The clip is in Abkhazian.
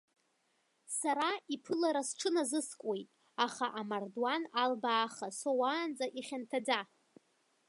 Сара иԥылара сҽыназыскуеит, аха амардуан албааха соуаанӡа ихьанҭаӡа.